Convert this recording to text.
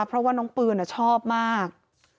เพราะว่าน้องปืนชอบมาก